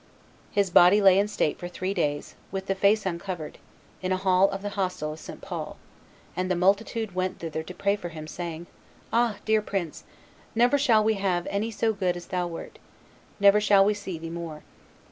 His body lay in state for three days, with the face uncovered, in a hall of the hostel of St. Paul, and the multitude went thither to pray for him, saying, "Ah! dear prince, never shall we have any so good as thou Wert; never shall we see thee more.